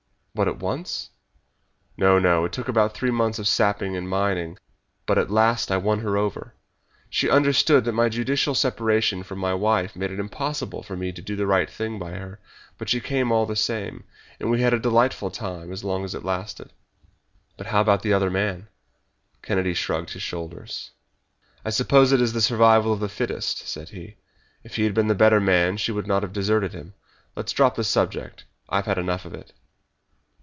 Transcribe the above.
"What at once?" "Oh, no, it took about three months of sapping and mining. But at last I won her over. She understood that my judicial separation from my wife made it impossible for me to do the right thing by her but she came all the same, and we had a delightful time, as long as it lasted." "But how about the other man?" Kennedy shrugged his shoulders. "I suppose it is the survival of the fittest," said he. "If he had been the better man she would not have deserted him. Let's drop the subject, for I have had enough of it!"